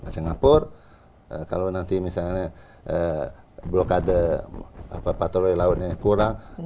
singapura kalau nanti misalnya blokade patroli lautnya kurang